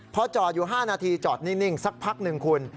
พอจอดอยู่๕นาทีจอดนิ่งสักพักหนึ่งคุณ